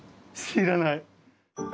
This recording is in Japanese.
知らない。